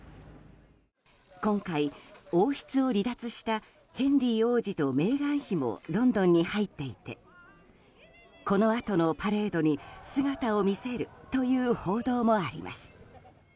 今回、王室を離脱したヘンリー王子とメーガン妃もロンドンに入っていてこのあとのパレードに姿を見せるという報道もあります。